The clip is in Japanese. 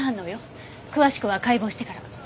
詳しくは解剖してから。